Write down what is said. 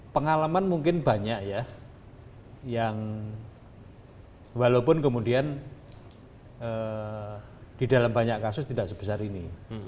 pengalaman mungkin banyak ya yang walaupun kemudian di dalam banyak kasus tidak sebesar ini